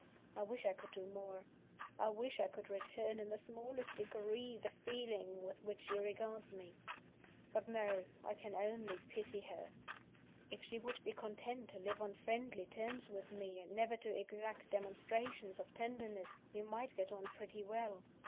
I wish I could do more; I wish I could return in the smallest degree the feeling with which she regards me. But no I can only pity her. If she would be content to live on friendly terms with me, and never to exact demonstrations of tenderness, we might get on pretty well.